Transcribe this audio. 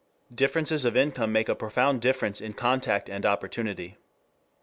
Differences of income make a profound difference in contact and opportunity.